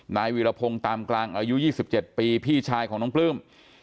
นายวีรพงศ์ตามกลางอายุ๒๗ปีพี่ชายของน้องปลื้ม